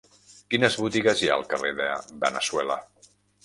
Quines botigues hi ha al carrer de Veneçuela?